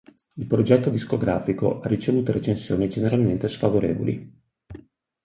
Il progetto discografico ha ricevuto recensioni generalmente sfavorevoli.